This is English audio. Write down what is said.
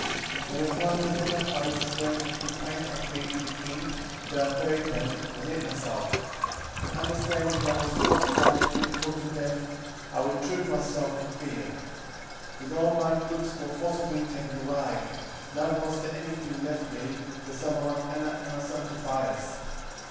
1:19 And when one of the Ninevites went and complained of me to the king, that I buried them, and hid myself; understanding that I was sought for to be put to death, I withdrew myself for fear. 1:20 Then all my goods were forcibly taken away, neither was there any thing left me, beside my wife Anna and my son Tobias.